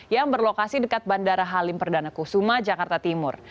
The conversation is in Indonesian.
yang berlokasi dekat bandara halim perdana kusuma jakarta timur